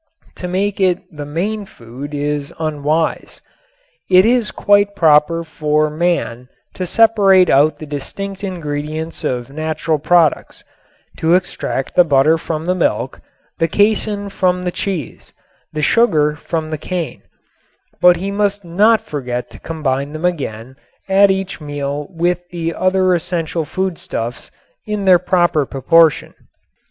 To make it the main food is unwise. It is quite proper for man to separate out the distinct ingredients of natural products to extract the butter from the milk, the casein from the cheese, the sugar from the cane but he must not forget to combine them again at each meal with the other essential foodstuffs in their proper proportion.